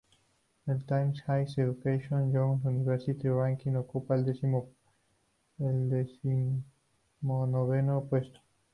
En el Times Higher Education Young University Ranking ocupa el decimonoveno puesto.